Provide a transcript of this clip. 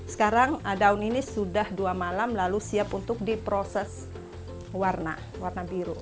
sekarang daun ini sudah dua malam lalu siap untuk diproses warna biru